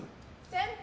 先輩！